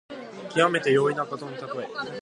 きわめて容易なことのたとえ。